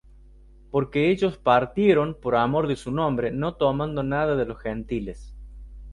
Porque ellos partieron por amor de su nombre, no tomando nada de los Gentiles.